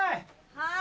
はい？